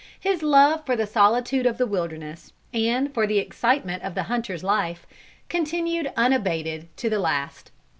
His love for the solitude of the wilderness, and for the excitement of the hunter's life, continued unabated to the last.